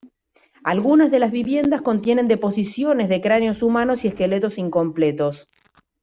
Algunas de las viviendas contienen deposiciones de cráneos humanos y esqueletos incompletos.